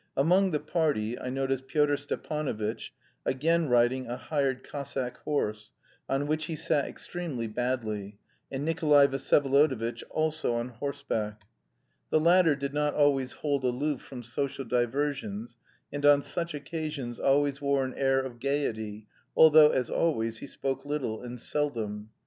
Among the party I noticed Pyotr Stepanovitch, again riding a hired Cossack horse, on which he sat extremely badly, and Nikolay Vsyevolodovitch, also on horseback. The latter did not always hold aloof from social diversions, and on such occasions always wore an air of gaiety, although, as always, he spoke little and seldom.